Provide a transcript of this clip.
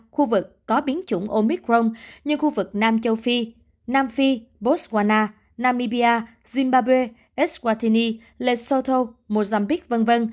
khu vực có biến chủng omicron như khu vực nam châu phi nam phi botswana namibia zimbabwe eswatini lesotho mozambique v v